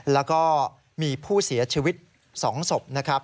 แล้วก็มีผู้เสียชีวิต๒ศพนะครับ